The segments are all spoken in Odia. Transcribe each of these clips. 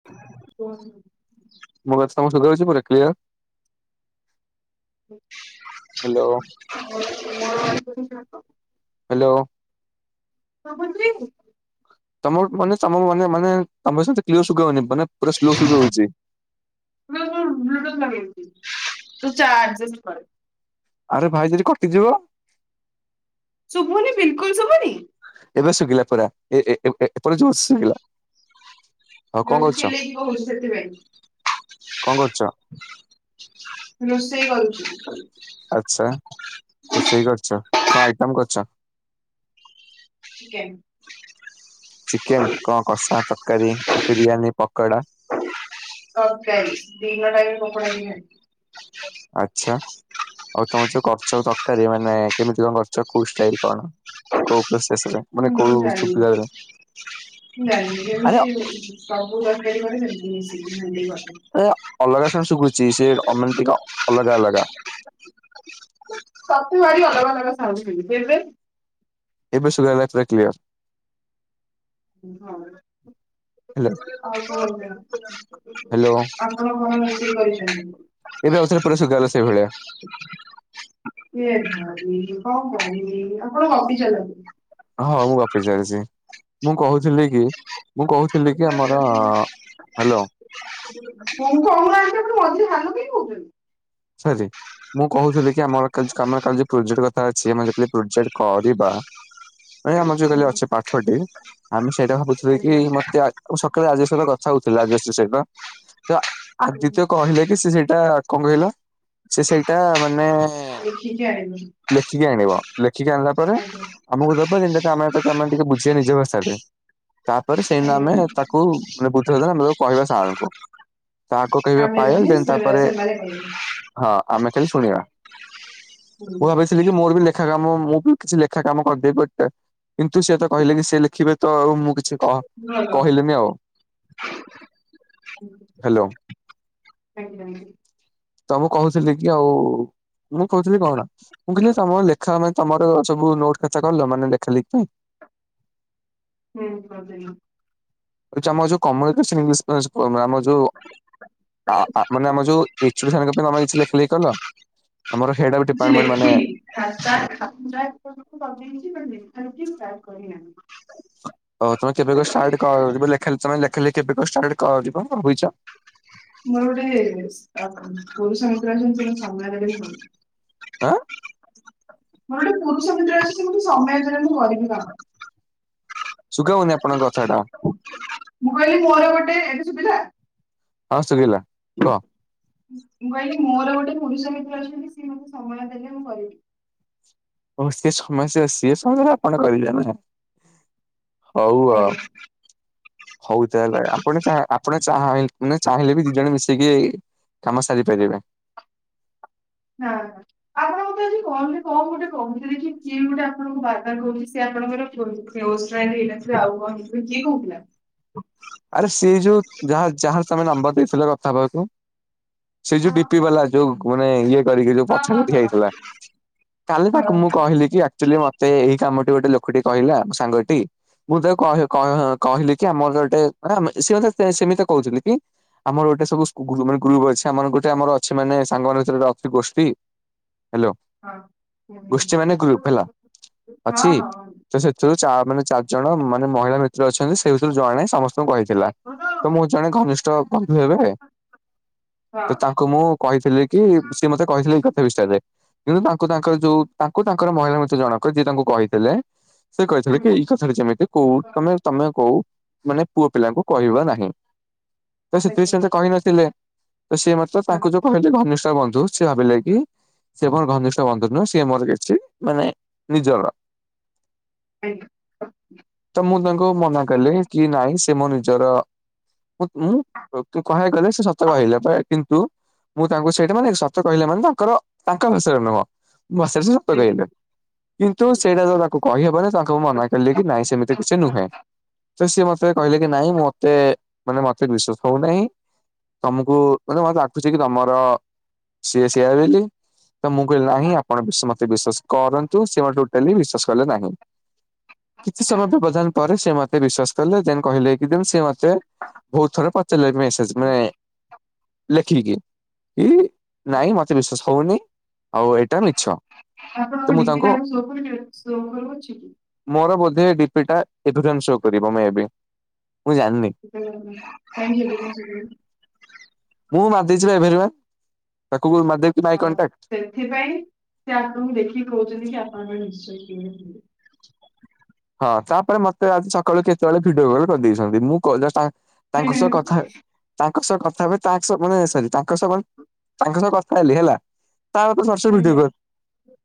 [unintelligible] ମୋ ସବୁ ସୁଭା ଯାଉଛି ପୁରା କ୍ଲିୟର? ଉଁ। ହ୍ୟାଲୋ। [unintelligible] ହ୍ୟାଲୋ। ଶୁଭୁଛି। ତମ ମାନେ ତମ ମାନେ ମାନେ ତମ କ୍ଲିୟର ସୁବା ଯାଉନି ମାନେ ପୁରା ସ୍ଲୋ ସୁବା ଯାଉଛି। ମୁଁ ବ୍ଲୁଟୁଥ ଲଗେଇଛି ତୁ ଯା ଆଜସ୍ଟ କରେ? ଆରେ ଭାଇ ଯଦି କଟିଯିବ। ଶୁଭୁନି ବିଲକୁଲ ଶୁଭୁନି? ଏବେ ଶୁଖିଲା ପୁରା ଏ ଏପଟେ ଜୋରେ ଶୁଭିଲା। ଜୋରେ ଚିଲେଇକି କହୁଛି କଣ କରୁଛ ସେଥିପାଇଁ। ରୋଷେଇ କରୁଛି। ଆଚ୍ଛା ରୋଷେଇ କରୁଛ କଣ ଆଇଟମ କରୁଛ? [unintelligible] ଚିକେନ କଣ କଷା ତରକାରୀ ବିରିୟାନୀ ପକୋଡା? ତରକାରୀ ଦିନରେ କିଏ ପକୋଡ଼ା ଖାଏ। ଆଚ୍ଛା। ଆଉ ତମର ଯୋଉ କରିଛ ତରକାରୀ ମାନେ କେମିତି କଣ କରିଛ କୋଉ ଷ୍ଟାଇଲ କଣ? କୋଉ ପ୍ରୋସେସ ରେ ମାନେ କୋଉ ଜାଣିନି ସୁବିଧା ରେ ମୁଁ ଜାଣିନି ଆ ଯେମିତି ସବୁ ତରକାରୀ କହିଦେଲି ମିଶିକି ହେମନ୍ତି କରିଦେଲି। ଏ ଅଲଗା ସାଉଣ୍ଡ ଶୁଭୁଛି ସେ ଅମାଣ୍ଟିକା ଅଲଗା ଅଲଗା। ସତ ଭାରି ଅଲଗା ଅଲଗା ସାଉଣ୍ଡ ଶୁଭୁଛି ହେଲେ। ଏବେ ସୁବା ଗଲା ପୁରା କ୍ଲିୟର। ହଁ। ହାଲୋ। ଆଉ କଣ କୁହ ଆପଣ କଣ ରୋଷେଇ କରିଛନ୍ତି? ଏବେ ଆଉ ଥରେ ଶୁଭା ଗଲା ସେଇଭଳିଆ। ଏ ଭାଇ କଣ କହିବି ଆପଣ ଗପି ଚାଲନ୍ତୁ। ହଁ ମୁଁ ଗପି ଚାଲିଛି ମୁଁ କହୁଥିଲି କି ମୁଁ କହୁଥିଲି କି ଆମର ହ୍ୟାଲୋ। କଣ କହୁ ନାହାନ୍ତି ଆପଣ ମଝିରେ ହେଲୋ କାଇଁ କହୁଛନ୍ତି? ସରି। ମୁଁ କହୁଥିଲି କି ଆମର ଆମର କାଲି ପ୍ରୋଜେକ୍ଟ କଥା ଅଛି ଆମେ ଯେତେବେଳେ ପ୍ରୋଜେକ୍ଟ କରିବା ନାଇ ଆମର ଯୋଉ କାଲି ଅଛି ପାଠଟି ଆମେ ସେଇଟା ଭାବୁଥିଲୁ ଆଜ୍ଞା କି ମତେ ସକାଳେ ରାଜଶ୍ରୀ ଶହ କଥା ହଉଥିଲେ ରାଜଶ୍ରୀ ସହିତ ତ ଆଦିତ୍ୟ କହିଲେ କି ସେ ସେଇ ଆଁ କଣ କହିଲ? ସେ ସେଇଟା ମାନେ ଲେଖିକି ଆଣିବୁ ଲେଖିକି ଆଣିବ ଲେଖିକି ଆଣିଲା ପରେ ଆଜ୍ଞା। ଆମକୁ ଦବ ଯେମିତି ଆମେ ଟିକେ ବୁଝିବା ନିଜ ଭଷାରେ ତାପରେ ସେଇନା ଆଜ୍ଞା ଆମେ ତାକୁ ମାନେ ବୁଝି ଆମେ କହିବା ସାର ଙ୍କୁ ତାହାକୁ କହିବା ପାଏଲ୍ ଦେନ ତାପରେ ଚା [inaudible] ହଁ ଆମେ ଖାଲି ଶୁଣିବା ହୁଁ ମୁ ଭାବି ଥିଲି କି ମୋର ବି ଲେଖା କାମ ମୁଁ ବି କିଛି ଲେଖା କାମ କରିଦେବି ବଟ କିନ୍ତୁ ସିଏ ତ କହିଲେ ସେ ଲେଖିବେ ତ ଆଉ ମୁଁ କିଛି କ ଭଲ। କହିଲିନି ଆଉ ହ୍ୟାଲୋ। ଆଜ୍ଞା। ତ ମୁଁ କହୁଥିଲି କି ଆଉ ମୁଁ କହୁଥିଲି କଣ ମୁଁ କିି ତମର ଲେଖା ମାନେ ତମର ସବୁ ନୋଟ୍ ଖାତା କଲ ମାନେ ଲେଖା ପାଇଁ। ହୁଁ କରିଦେଲୁ। ତମର ଯୋଉ କମଳୀ ମିସ୍ ମ୍ୟାଚ କରୁନୁ ଆମର ଯୋଉ ଆ ଆ ମାନେ ଆମ ଯୋଉ ଏଚୁଡି ଥାନଙ୍କ ପାଇଁ ତମେ କିଛି ଲେଖା ଲେଖି କରିନ? ଆମର ହେଡ କିଛି ଲେଖିନି [inaudible] ହଉ ତମେ କେବେ କ ଷ୍ଟାର୍ଟ କରିବ ଲେଖା ତମେ ଲେଖା ଲେଖିବ କେବେ କ ଷ୍ଟାର୍ଟ କରିବ ଭାବିଛ? ମୋର ଗୋଟେ ପୁରୁଷ ମିତ୍ର ଅଛନ୍ତି ସେ ମତେ [unintelligible] ହଁ। ହଁ ଗୋଟେ ପୁରୁଷ ମିତ୍ର ଆସିଛି ମତେ ସମୟ ଦେଲା ବେଲେ ମୁଁ କରିବି କାମ ସୁଗା ହଉନି ଅପଣଙ୍କ କଥାଟା। ମୁଁ କହିଲି ମୋର ଗୋଟେ ଏବେ ଶୁଭିଲା। ହଁ ଶୁଭିଲା। ମୁଁ କହିଲି ମୋର ଗୋଟେ ପୁରୁଷ ମିତ୍ର ଅଛନ୍ତି ସିଏ ମୋତେ ସମୟ ଦେଲେ ମୁଁ କରିବି। ହଉ ସେ ସମସ୍ୟା ସ ସିଏ ସମୟରେ ଆପଣ କରିବେ ହଉ ଆଉ। ଆଜ୍ଞା ହଉ ତାହେଲେ ଆପଣ ଚା ଆପଣ ଚାଁହା ଚାହିଁଲେ ବି ଦି ଜଣ ମିଶିକି କାମ ସାରିପରିବା। [unintelligible] ଆପଣ ମତେ ଆଜି କଣ ବୋଲି କଣ ଗୋଟେ କହୁଥିଲେ କି, କିଏ ଗୋଟେ ଆପଣଙ୍କୁ ବାରବାର କରୁଛି ସେ ଆପଣଙ୍କର [unintelligible] ହେଇନଥିଲା ଆଉ ହେଇଥିଲ କିଏ କହୁଥିଲା? ଆରେ ସେ ଯୋଉ ଯାହା ଯାହାର ତମେ ନମ୍ବର ଦେଇଥିଲ କଥା ହବାକୁ। ସେ ଯଉ ହଁ ଡି ପି ବାଲା ଯୋଉ ମାନେ ଇଏ କରିକି ଯୋଉ ହଁ ପଛରେ ହଁ ହଁ ଠିଆହେଇଥିଲା କାଲି ତାକୁ ହଁ ମୁଁ କହିଲି କି ଆକଚୁଲି ମ ମତେ ଏଇ କାମଟି ଗୋଟେ ଲୋକଟି କହିଲା ସାଙ୍ଗଟି ମୁଁ ତାକୁ କହେ କହେ କହିଲି କି ଆମର ଗୋଟେ ମାନେ ସେ ମତେ ସେମିତ କରୁଛନ୍ତି କି? ଆମର ଗୋଟେ ସବୁ ସ୍କୁ କୁ ରୁ ମାନେ ଗ୍ରୁପ ଅଛି ଆମର ଗୋଟେ ଆମର ଅଛି ମାନେ ସାଙ୍ଗ ମାନଙ୍କ ଭିତରେ ଅତି ଗୋଷ୍ଠୀ ହ୍ୟାଲୋ ହଁ। ଗୋଷ୍ଠୀ ମାନେ ଗ୍ରୁପ ହେଲା ହୁଁ। ହଁ ଅଛି। ହଁ। ତ ସେଥିରୁ ଚା ମାନେ ଚାରି ଜଣ ମାନେ ମହିଳା ମିତ୍ର ଅଛନ୍ତି ସେ ହେଉଛନ୍ତି ଜଣେ ସମସ୍ତଙ୍କୁ କହିଥିଲା। ତ ମୁଁ ଜଣେ ଘନିଷ୍ଠ ବନ୍ଧୁ ହେବେ ହଁ ତ ତା ମୁଁ କହିଥିଲି କି ସିଏ ମତେ କହିଥିଲେ ଏଇ କଥା ବିଷୟରେ। କିନ୍ତୁ ତାଙ୍କୁ ତାଙ୍କର ଯୋଉ ତାଙ୍କୁ ତାଙ୍କର ମହିଳା ମିତ୍ର ଜଣଙ୍କ ଯିଏ ତାଙ୍କୁ କହିଥିଲେ। ସେ କହିଥିଲେ କି ଆଜ୍ଞା ଏଇ କଥାଟା ଯେମିତି କହୁ ତମେ ତମେ କହୁ ମାନେ ପୁଅ ପିଲାଙ୍କୁ କହିବା ନାହିଁ ତ ସେଥିରେ ସେ ଆଜ୍ଞା ମତେ କହିନଥିଲେ। ତ ସିଏ ମତ ଆଜ୍ଞା ତାଙ୍କୁ ଯୋଉ କହିଲେ ଘନିଷ୍ଠ ବନ୍ଧୁ ସିଏ ଭାବିଲେ କି ସେ ମର ଘନିଷ୍ଠ ବନ୍ଧୁ ନୁହଁ ସିଏ ମର କିଛି ମାନେ ନିଜର। ଆଇଲୁ। ତ ମୁଁ ତାଙ୍କୁ ମନା କଲେ କି ନାଇଁ ସେ ମୋ ନିଜର। ବଟ ମୁଁ ମୁଁ [unintelligible] କହିବାକୁ ଗଲେ ସେ ସତ ଭାବିଲା ପ୍ରାୟ କି ତୁ ମୁଁ ତାଙ୍କୁ ସେଇଟା ମାନେ ସତ କହିଲେ ମାନେ ତାଙ୍କର ତାଙ୍କ ଭାଷାରେ ନୁହଁ [unintelligible] ଆଜ୍ଞା କରାଇଲେ କିନ୍ତୁ ସେଇଟା ଯୋଉ ତାକୁ କହିହବ ନା ତାଙ୍କୁ ମନା କିଲେ କି ନାଇଁ ସେମିତି କିଛି ନୁହେଁ ତ ସିଏ ମତେ କହିଲେ କି ନାଇଁ ମତେ ମାନେ ମତେ ବିଶ୍ଵାସ ହଉନାହିଁ। ତମକୁ ମାନେ ମତେ ଲାଗୁଚି କି ତମର ସିଏ ସେୟା ବେଲି। ତ ମୁଁ କହିଲି ନାହିଁ ଆପଣ ମତେ ବିଶ୍ୱାସ କରନ୍ତୁ ସେ ମତେ ଟୋଟାଲି ବିଶ୍ୱାସ କଲେ ନାହିଁ। କିଛି ସମୟ ବ୍ୟବଧାନ ପରେ ସେ ମତେ ବିଶ୍ବାସ କଲେ ଦେନ୍ କହିଲେ କି ଯେ ସେ ମତେ ବହୁତ ଥର ପଚାରିଲେ ମେସେଜ ମାନେ ଲେଖିକି କି ନାଇଁ ଆଜ୍ଞା। ମତେ ବିଶ୍ଵାସ ହଉନି ଆଉ ଏ ଆପଣଙ୍କ ଡି ପି ତାଙ୍କୁ ସୋ କରି ସୋ କରୁ ଅଛି କି? ମୋର ବୋଧେ ଡି ପି ଟା ଏବେ ଦେନ ସୋ କରିବ ମେ ବି। ମୁଁ ଜାଣିନି। ହ କ [unintelligible] ମୁଁ ମାରିଦେଇଛି ବା ଏଭେଲେବେଲ ତାକୁ କୁ [unintelligible] ହଉ ସେଥିପାଇଁ ସେ ଆପଣଙ୍କୁ ଦେଖିକି କହୁଛନ୍ତି କି ଆପଣ ନିଶ୍ଚୟ କି ହଁ ତାପରେ ମତେ ଆଜି ସକାଳୁ କେତେବେଳେ ଭିଡିଓ କଲ କରିଦେଇଛନ୍ତି ମୁଁ କହୁ ତାଙ୍କ ସହ କଥା ତାଙ୍କ ସହ କଥା ହୁଏ ତାକ୍ସ ସ ମାନେ ସରି ତାଙ୍କ ସହ ତାଙ୍କ ସହ କଥା ହେଲି ହେଲା। ତା ପରେ ସେ ଭିଡିଓ ହେଲେ କଲ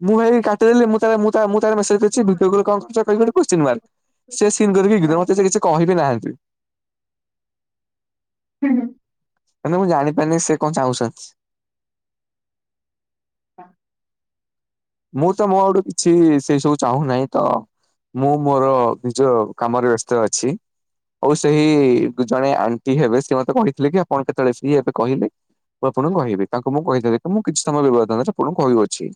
ମୁଁ ହେଇ କାଟିଦେଲି ମୁଁ ତାହେଲେ ମୁଁ ତା ମୁଁ ତାହେଲେ ମେସେଜ କରିଛି ଭିଡିଓ କଲ କଣ କରୁଚ। ଭାଇ ଗୋଟେ କୁଶ୍ଚିନ ମାର୍କ ସେ ସିନ କରି ବିକିଦେବ ମତେ ସେ କିଛି କହିବି ନାହାନ୍ତି। ହୁଁ ହୁଁ। ମାନେ ମୁଁ ଜାଣିପାରିନି ସେ କଣ ଚାହୁଁଛନ୍ତି? ହଁ [inaudible] ମୁଁ ତ ମୋ ଆଡୁ କିଛି ସେଇ ସବୁ ଚାହୁଁନାଇଁ ତ। ମୁଁ ମୋର ନିଜ କାମରେ ବ୍ୟସ୍ତ ଅଛି। ଆଉ ସେଇ ଜଣେ ଆଣ୍ଟି ହେବେ ସେ ମତେ କହିଥିଲେ କି ଆପଣ କେତେବେଳେ ଫ୍ରି ହେବେ କହିବେ। ମୁଁ ଆପଣଙ୍କୁ କହିବି ତାଙ୍କୁ ମୁଁ କହିଦେଲି କି ମୁଁ କିଛି ସମୟ ବିବାଦାନରେ ଆପଣଙ୍କୁ କହୁଅଛି।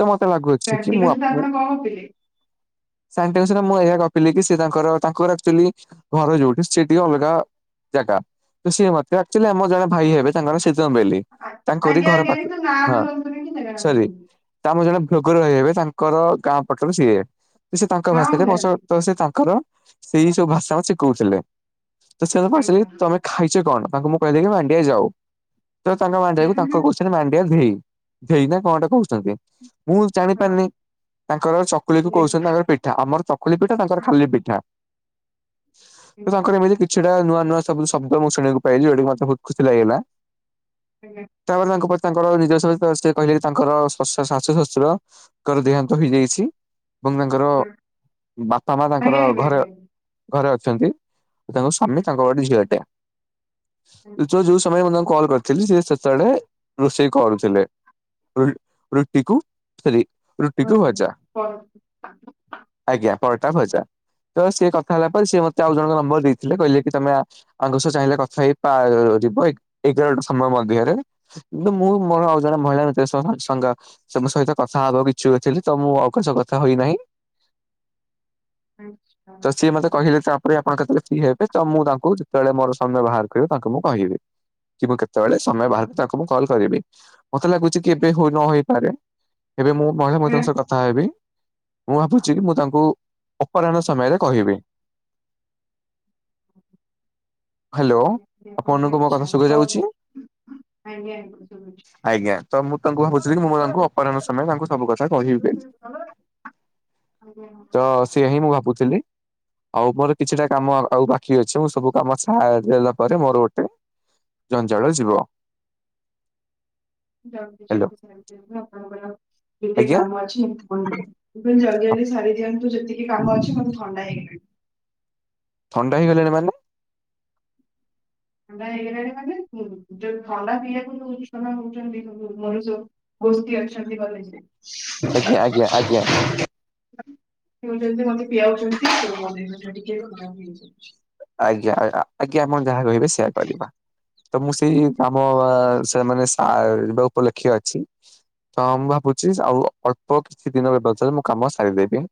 ତ ମତେ ଲାଗୁଛି କି ପ୍ରାଣ୍ଟିକା ମୁଁ ସହିତ ଆପ ଆପଣ କଣ ଗପିଲେ? ସେ ଆଣ୍ଟିଙ୍କ ଶହିତ ମୁଁ ଏହା ଗପିଲି କି ସେ ତାଙ୍କର ତାଙ୍କର ଆକୁଚୁଆଲି ଘରେ ଯଉଠି ସେ ଟିକେ ଅଲଗା ଜାଗା ତ ସିଏ ମତେ ଆକଚାଲି ଆମ ଜଣେ ଭାଇ ହେବେ ତାଙ୍କର ସେ ଜମେଲି। ତାଙ୍କରି ଆଜ୍ଞା ଘର ଆଜ୍ଞା ପାଖ କିନ୍ତୁ ନା ହଁ ଧରନ୍ତୁନି କି ଜାଗା ନା ସରି। ଧରନ୍ତୁନି ତା ଆମ ଜଣେ ଭ୍ଲୋଗର ଭାଇ ହେବେ ତାଙ୍କର ଗାଁ ପଟରୁ ସିଏ ସେ ତାଙ୍କ ହଁ ମୁଁ ଭାଷାରେ ମୋ ଜାଣିଲି ତ ସେ ତାଙ୍କର ସେଇ ସବୁ ଭାଷାରା ଶିଖଉଥିଲେ ତ ସେରା ଆଜ୍ଞା ପଢ଼ିସାରିକି ହଁ ତମେ ଖାଇଚ କଣ ତାଙ୍କୁ ମୁଁ କହିଲିକି ମାଣ୍ଡିଆ ଯାଉ ତ ତାଙ୍କ ଆଜ୍ଞା ମାଣ୍ଡିଆକୁ ତାଙ୍କ କୋଶ ସେ ମାଣ୍ଡିଆ ଧେଇ ଧେଇ ନା କଣଟେ କହୁଛନ୍ତି। ମୁଁ ଆଜ୍ଞା ଆଜ୍ଞା ଆଜ୍ଞା ଜାଣିପାରିନି ତାଙ୍କର ଚକୁଳି କି ଆଜ୍ଞା ଆଜ୍ଞା କହୁଛନ୍ତି ତାଙ୍କର ପିଠା ଆମର ଚ ଖୁଲି ପିଠା ତାଙ୍କର ଖାଲି ପିଠା ତ ତାଙ୍କର ଏମିତି କି ସେଟା ନୂଆ ନୂଆ ସବୁ ଶବ୍ଦ ମୁଁ ଶୁଣିବାକୁ ପାଇଲି ଜଉ ଯଉଠୀ ମତେ ବହୁତ ଖୁସି ଲାଗିଲା। ହୁଁ। ତାମାନେ ତାଙ୍କ ତାଙ୍କର ନିଜସ୍ୱ ସେ କହିଲେ କି ତାଙ୍କର ଶ ଶାଶୁ ଶ୍ୱଶୁରଙ୍କର ଦେହାନ୍ତ ହେଇଯାଇଛି। ଏବଂ ତାଙ୍କର ବାପା ମା ତାଙ୍କର ଘରେ ଘରେ ଅଛନ୍ତି। ତାଙ୍କ ସ୍ଵାମୀ ତାଙ୍କର ଗୋଟେ ଝିଅଟେ ଯୋଉ ପାଇଁ ମୁଁ ତାଙ୍କୁ କଲ୍ କରିଥିଲି ସିଏ ସେତେବେଳେ ରୋଷେଇ କରୁଥିଲେ ରୁଟିକୁ ଆଜ୍ଞା ଭଜା। ଆଜ୍ଞା ପରଟା ଭଜା ତ ସିଏ କଥା ହେଲା ପରେ ସିଏ ମତେ ଆଉ ଜଣଙ୍କ ନମ୍ବର ଦେଇଥିଲେ କହିଲେ କି ତମେ ଆଙ୍କ ଶହ ଚାହିଁଲେ କଥା ହେଇପାରିବ ଏଗାରଟା ସମୟ ମଧ୍ୟରେ। କିନ୍ତୁ ମୁଁ ମୋର ଆଉ ଜଣେ ମହିଳା ମିତ୍ର ଶହ ସାଙ୍ଗ ସିଏ ମୋ ସହିତ କଥା ହବା ପାଇଁ ଇଛୁକ ଥିଲେତ ମୁଁ ଆଉ କାହା ସହ କଥା ହୋଇନାହିଁ। ଆଛା ତ ହ ସିଏ ମତେ ହ। କହିଲେ ତାପରେ ଆପଣ କେତେବେଳେ ଫ୍ରି ହେବେ ତ ମୁଁ ତାଙ୍କୁ ଯେତେବେଳେ ମୋର ସମୟ ବାହାର କରିବି ତାଙ୍କୁ ମୁଁ କହିବି। କି ମୁଁ କେତେବେଳେ ସମୟ ବାହାର କରି ତାଙ୍କୁ ମୁଁ କଲ୍ କରିବି ମତେ ଲାଗୁଛି କି ଏବେ ହୋଇ ନ ହୋଇ ପାରେ ଏବେ ମୁଁ ମହିଳା ଭଲ ମିତ୍ରଙ୍କ ସହ କଥା ହେବି ମୁଁ ଭାବୁଛି କି ମୁଁ ତାଙ୍କୁ ଅପରାହ୍ନ ସମୟରେ କହିବି। ହ୍ୟାଲୋ। ସେଥିରେ ଆପଣଙ୍କ ଆପଣଙ୍କୁ ମୋ କଥା ଇଚ୍ଛା ଶୁଭା ହଉ ଯାଉଛି ଆଜ୍ଞା ଆଜ୍ଞା। ଆଜ୍ଞା ତ ମୁଁ ତାଙ୍କୁ ଭାବୁଛି ମୁଁ ତାଙ୍କୁ ଅପରାହ୍ନ ସମୟ ତାଙ୍କୁ ସବୁ କଥା କହିବିବେଲି ତ ସେଇଆ ହିଁ ମୁଁ ଭାବୁଥିଲି। ଆଉ ମୋର କିଛିଟା କାମ ଆଉ ବାକି ଅଛି ମୁଁ ସବୁ କାମ ସାରି ଦେଲା ପରେ ମୋର ଗୋଟେ ଜଞ୍ଜାଳ ଯିବ। ଜଲଦି ହ୍ୟାଲୋ ଜଲଦି ଆପଣଙ୍କର ଯେତେ ଆଜ୍ଞା କାମ ଅଛି ଏମିତି ହ ଜଲ୍ଦି ଜଲଦି ସାରି ଦିଅନ୍ତୁ ଯେତିକି କାମ ଅଛି ମୋତେ ଥଣ୍ଡା ହେଇଗଲାଣି। ଥଣ୍ଡା ହେଇଲାଣି ମାନେ? ଥଣ୍ଡା ହେଇଗଲାଣି ମାନେ ଯୋଉ ଥଣ୍ଡା ପିଇବାକୁ ଉଛନ ହଉଛନ୍ତି ମନୁଷ। ଗୋଷ୍ଠୀ ଅଛନ୍ତି ଆଜ୍ଞା ଆଜ୍ଞା ଆଜ୍ଞା। କଲେଜରେ। ପିଉଛନ୍ତି ମତେ ପିଆଉଛନ୍ତି ମ ଦେହଟା ଟିକେ ଖରାପ ହେଇଯାଉଛି। ଆଜ୍ଞା ଆୟା। ଆଜ୍ଞ ଆପଣ ଯାହା କହିବେ ସେଇୟା କରିବା ତ ମୁଁ ସେଇ କାମ ସେ ମାନେ ସା ଡ଼ ଉପଲକ୍ଷ୍ୟେ ଅଛି। ତ ମୁଁ ଭାବୁଛି ଆଉ ଅଳ୍ପ କିଛି ଦିନ ବବଚରେ ମୁଁ କାମ ସାରିଦେବି।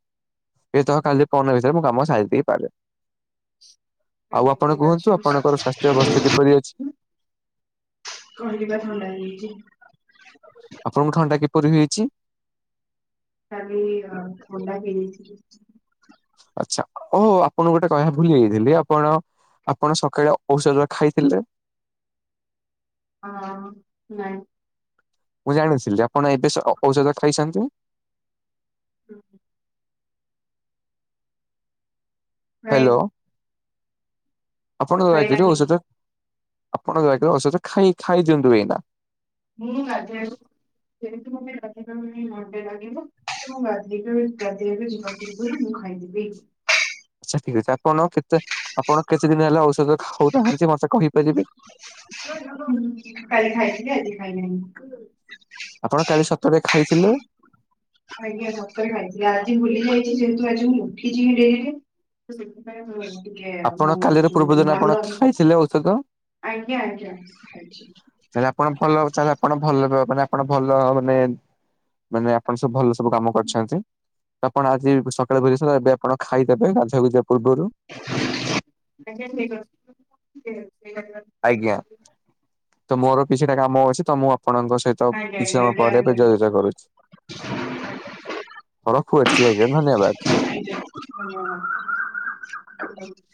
ଏ ତ କାଲି ପନ ଭିତରେ ମୁଁ କାମ ସାଇ ଦେଇ ପାରେ। କୁହନ୍ତୁ ଆପଣଙ୍କର ସ୍ୱାସ୍ଥ୍ୟ ଅବସ୍ଥା କିପରି ଅଛି [unintelligible] କହିଲିି ପା ଥଣ୍ଡା ହେଇଯାଇଛି। ଆପଣଙ୍କୁ ଥଣ୍ଡା କିପରି ହୋଇଛି? କାଲି ଅ ଥଣ୍ଡା ହେଇଯାଇଚି। ଆଚ୍ଛା ଓହୋ ଆପଣଙ୍କୁ ଗୋଟେ କହିବା ଭୁଲି ଯାଇଥିଲି ଆପଣ ଆପଣ ସକାଳେ ଔଷଧ ଖାଇଥିଲେ? ହଁ ନାଇଁ। ମୁଁ ଜାଣିଥିଲି ଆପଣ ସ ଏବେ ଔଷଧ ଖାଇସନ୍ତି? ହୁଁ ଉ। ହାଇଁ ଆପଣଙ୍କ ଭାଇ ଏବେ ଯୋଉ ନାହିଁ ଔଷଧ ଆପଣଙ୍କ ଏବେ ଔଷଧ ଖାଇ ଖାଇ ଦିଅନ୍ତୁ ଏଇନା। [unintelligible] [unintelligible] ପୂର୍ବରୁ ମୁଁ ଖାଇଦେବି। ଆଚ୍ଛା ଠିକ ଅଛି ଆପଣ କେତେ ଆପଣ କେତେ ଦିନ ହେଲା ଔଷଧ ଖାଉନାହାନ୍ତି ମତେ କହିପାରିବେ? କାଲି ଖାଇଥିଲି ଆଜି ଖାଇନି। ଆପଣ କାଲି ସତରେ ଖାଇଥିଲେ? ଆଜ୍ଞା ସତରେ ଖାଇଥିଲି ଆଜି ଭୁଲି ଯାଇଛି ଯେହେତୁ ଆଜି ମୁଁ ଉଠିଛି ଡ଼େରିରେ। ସେଥିପାଇଁ ମୁଁ ଟିକେ ଆପଣ ମୁ କାଲିର ପୂର୍ବ ଯୋଉ ଦିନ ଆପଣ ମନର ଖାଇଥିଲେ ଔଷଧ? ଆଜ୍ଞା ଆଜ୍ଞା ଖାଇଛି। ଚାଲେ ଆପଣ ଭଲ ଚାଲେ ଆପଣ ଭଲରେ ମାନେ ଆପଣ ଭଲ ମାନେ ମାନେ ଆପଣ ସବୁ ଭଲ ସବୁ କାମ କରିଛନ୍ତି? ଆପଣ ଆଜି ସକାଳେ ଭରି ସ ଏବେ ଆପଣ ଖାଇଦେବେ ଗାଧାକୁ ଯିବା ପୂର୍ବରୁ। ଆଜ୍ଞା ଠିକ ଅଛି। ଆଜ୍ଞା ତ ମୋର କିଛିଟା କାମ ଅଛି ତ ମୁଁ ଆପଣଙ୍କ ସହି ତ ଆଜ୍ଞା କିଛି ସମୟ ଆଜ୍ଞା ଆଜ୍ଞା ପରେ ଏବେ ଆଜ୍ଞା। ଯୋଗୋଗ କରୁଛି। ରଖୁଅଛି ଆଜ୍ଞା ଧନ୍ୟବାଦ। [unintelligible]